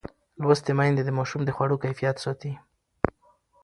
لوستې میندې د ماشوم د خوړو کیفیت ساتي.